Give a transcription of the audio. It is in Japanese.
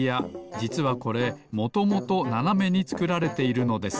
じつはこれもともとななめにつくられているのです。